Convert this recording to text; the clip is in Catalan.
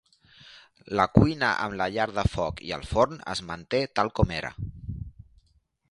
La cuina amb la llar de foc i el forn es manté tal com era.